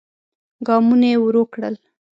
ګامونه يې ورو کړل.